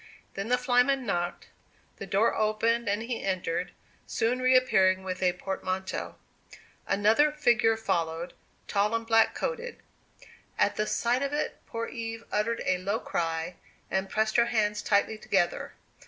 Then the flyman knocked; the door opened, and he entered, soon reappearing with a portmanteau. Another figure followed, tall and black coated. At the sight of it poor Eve uttered a low cry, and pressed her hands tightly together.